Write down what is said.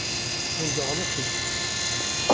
Hûn dialiqîn.